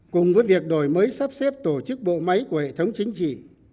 cùng với việc đổi mới sắp xếp tổ chức bộ máy của hệ thống chính trị